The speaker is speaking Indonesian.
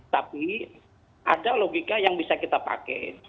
tapi ada logika yang bisa kita pakai